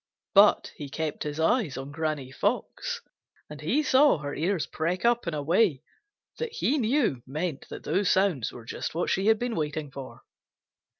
But he kept his eyes on Granny Fox, and he saw her ears prick up in a way that he knew meant that those sounds were just what she had been waiting for.